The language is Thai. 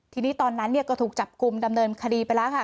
ทีนี้ตอนนั้นก็ถูกจับกลุ่มดำเนินคดีไปแล้วค่ะ